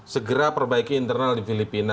segera perbaiki internal di filipina